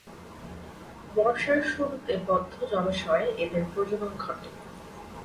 বর্ষার শুরুতে বদ্ধ জলাশয়ে এদের প্রজনন ঘটে।